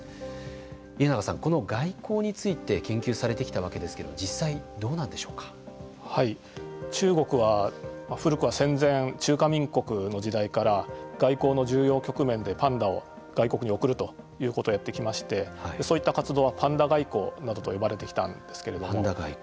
家永さん、外交について研究されてきたわけですけど中国は古くは戦前中華民国の時代から外交の重要局面でパンダを外国に贈るということをやってきましてそういった活動はパンダ外交などと呼ばれてきたんですけれども。